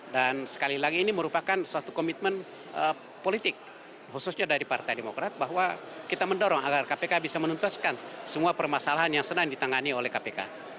dan sekali lagi ini merupakan suatu komitmen politik khususnya dari partai demokrat bahwa kita mendorong agar kpk bisa menuntaskan semua permasalahan yang sedang ditangani oleh kpk